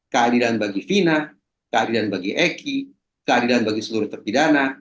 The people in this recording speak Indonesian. keadilan bagi fina keadilan bagi eki keadilan bagi seluruh terpidana